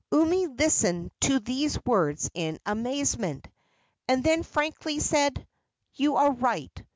Umi listened to these words in amazement, and then frankly said: "You are right.